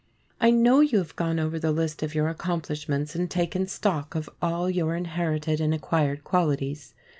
I know you have gone over the list of your accomplishments and taken stock of all your inherited and acquired qualities.